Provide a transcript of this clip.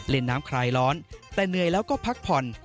เล่นน้ำคลายร้อนแต่เหนื่อยแล้วก็พักผ่อน